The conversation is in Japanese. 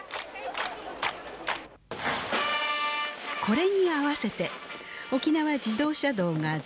これに合わせて沖縄自動車道が全線開通。